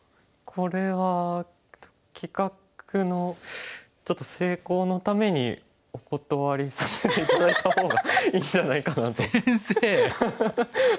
これは企画のちょっと成功のためにお断りさせて頂いた方がいいんじゃないかなと。